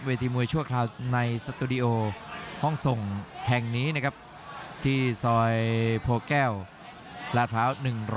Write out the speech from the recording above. ทีมวยชั่วคราวในสตูดิโอห้องส่งแห่งนี้นะครับที่ซอยโพแก้วลาดพร้าว๑๐